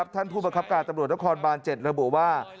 ท่านผู้บังคับการตำรวจนครบาน๗ระบุว่า